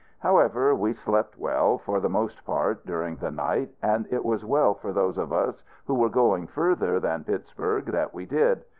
However, we slept well, for the most part, during the night; and it was well for those of us who were going further than Pittsburg that we did.